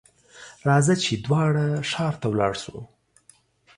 راځه ! چې دواړه ښار ته ولاړ شو.